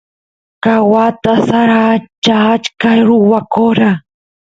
ka wata sara ancha achka ruwakora